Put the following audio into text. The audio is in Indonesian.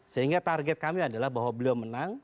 sehingga target kami adalah bahwa beliau menang